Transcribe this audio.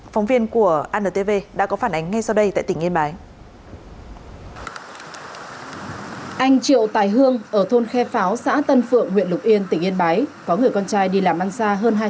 phóng viên của antv đã có phản ánh ngay sau đây tại tỉnh yên bái